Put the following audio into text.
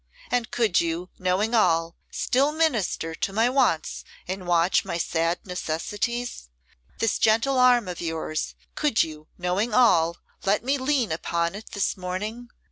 'And could you, knowing all, still minister to my wants and watch my sad necessities? This gentle arm of yours; could you, knowing all, let me lean upon it this morning?